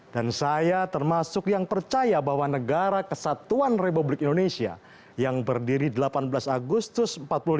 dan saya termasuk yang percaya bahwa negara kesatuan republik indonesia yang berdiri delapan belas agustus empat puluh lima